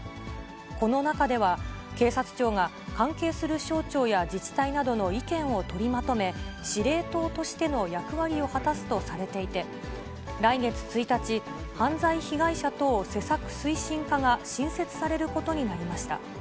この中では、警察庁が関係する省庁や自治体などの意見を取りまとめ、司令塔としての役割を果たすとされていて、来月１日、犯罪被害者等施策推進課が新設されることになりました。